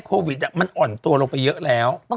คุณผู้ชมขายังจริงท่านออกมาบอกว่า